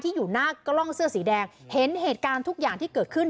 อยู่หน้ากล้องเสื้อสีแดงเห็นเหตุการณ์ทุกอย่างที่เกิดขึ้น